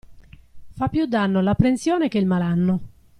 Fa più danno l'apprensione che il malanno.